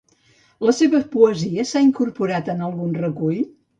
La seva poesia s'ha incorporat en algun recull?